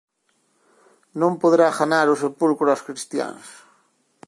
Non poderá ganar o Sepulcro ós cristiáns.